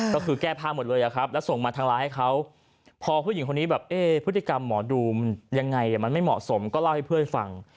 ก็คือแก้ผ้าหมดเลยอะครับแล้วส่งมาทางไลน์ให้เขาพอผู้หญิงคนนี้แบบเอ๊ะพฤติกรรมหมอดูมันยังไงมันไม่เหมาะสมก็เล่าให้เพื่อนฟัง